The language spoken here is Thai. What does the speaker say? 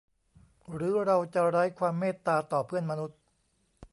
หรือเราจะไร้ความเมตตาต่อเพื่อนมนุษย์